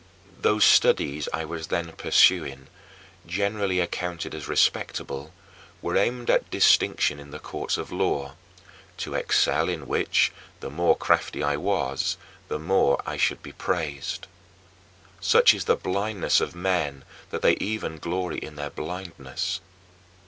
6. Those studies I was then pursuing, generally accounted as respectable, were aimed at distinction in the courts of law to excel in which, the more crafty I was, the more I should be praised. Such is the blindness of men that they even glory in their blindness.